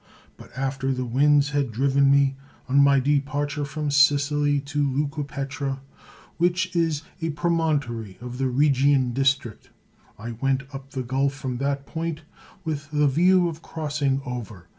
But after the winds had driven me, on my departure from Sicily, to Leucopetra, which is a promontory of the Rhe gian district, I went up the gulf from that point, with the view of crossing over.